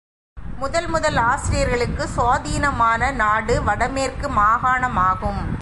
முதல் முதல் ஆரியர்களுக்குச் சுவாதீனமான நாடு வடமேற்கு மாகாணமாகும்.